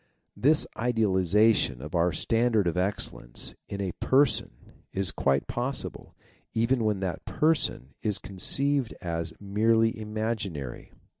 This idealiza tion of our standard of excellence in a Person is quite possible, even when that Person is conceived as merely imaginary.